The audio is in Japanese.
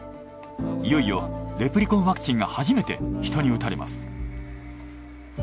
いよいよレプリコンワクチンが初めて人に打たれます。